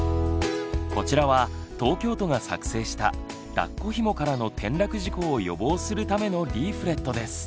こちらは東京都が作成しただっこひもからの転落事故を予防するためのリーフレットです。